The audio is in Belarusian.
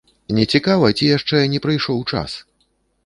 Нецікава ці яшчэ не прыйшоў час?